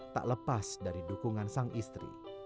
tak lepas dari dukungan sang istri